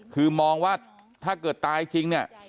คือมองว่าถ้าเกิดตายจริงเนี่ย